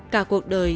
cả cuộc đời